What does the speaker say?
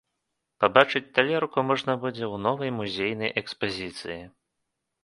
Пабачыць талерку можна будзе ў новай музейнай экспазіцыі.